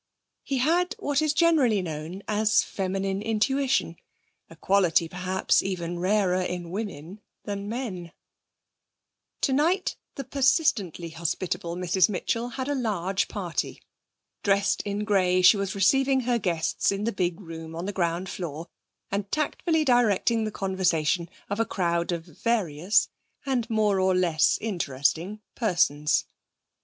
He had what is generally known as feminine intuition, a quality perhaps even rarer in women than in men. Tonight the persistently hospitable Mrs Mitchell had a large party. Dressed in grey, she was receiving her guests in the big room on the ground floor, and tactfully directing the conversation of a crowd of various and more or less interesting persons.